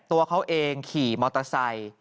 ตัวเขาเองขี่มอเตอร์ไซค์